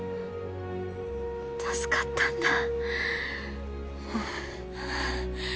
助かったんだ。